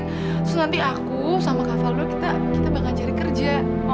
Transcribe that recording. terus nanti aku sama kak falo kita bangga cari kerja